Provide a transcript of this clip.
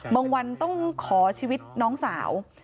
วันต้องขอชีวิตน้องสาว